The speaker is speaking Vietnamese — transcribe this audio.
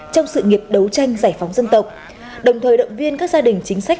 trong sự nghiệp đấu tranh giải phóng dân tộc đồng thời động viên các gia đình chính sách